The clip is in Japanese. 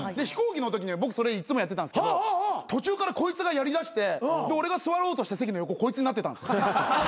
飛行機のときには僕いつもやってたんすけど途中からこいつがやりだしてで俺が座ろうとした席の横こいつになってたんすよ。